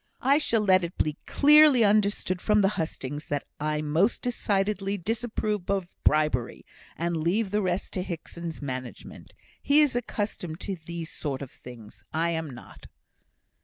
I shall let it be clearly understood from the hustings, that I most decidedly disapprove of bribery, and leave the rest to Hickson's management. He is accustomed to these sort of things. I am not."